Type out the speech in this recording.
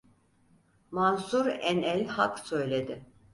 Mansur en’el hak söyledi.